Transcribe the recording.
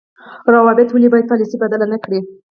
روابط ولې باید پالیسي بدله نکړي؟